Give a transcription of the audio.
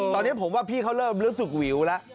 ตอนนี้ผมว่าพี่เขาเริ่มรู้สึกวิวแล้ว